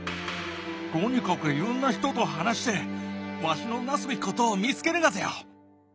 とにかくいろんな人と話してわしのなすべきことを見つけるがぜよ！